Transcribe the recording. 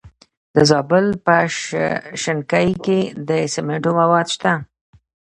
د زابل په شنکۍ کې د سمنټو مواد شته.